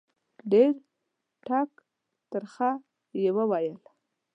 ډېر ټک ترخه یې وویل.